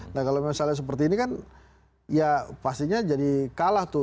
nah kalau misalnya seperti ini kan ya pastinya jadi kalah tuh